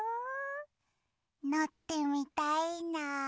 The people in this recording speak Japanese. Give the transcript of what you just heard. のってみたいな！